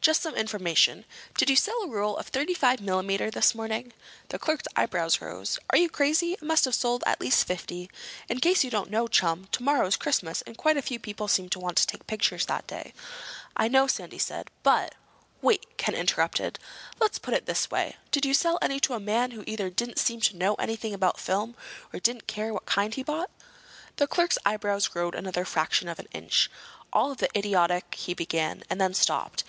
"Just some information. Did you sell a roll of thirty five millimeter this morning?" The clerk's eyebrows rose. "Are you crazy? I must have sold at least fifty. In case you don't know it, chum, tomorrow is Christmas and quite a few people seem to want to take pictures that day." "I know," Sandy said, "but—" "Wait," Ken interrupted. "Let's put it this way. Did you sell any to a man who either didn't seem to know anything about film, or who didn't care what kind he bought?" The clerk's eyebrows rose another fraction of an inch. "Of all the idiotic—" he began, and then stopped.